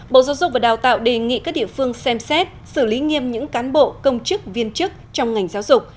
bộ giáo dục và đào tạo đề nghị các địa phương xem xét xử lý nghiêm những cán bộ công chức viên chức trong ngành giáo dục